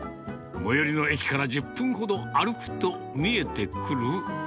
最寄りの駅から１０分ほど歩くと、見えてくる。